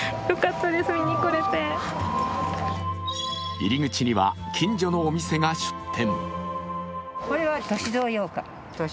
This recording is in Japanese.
入り口には近所のお店が出店。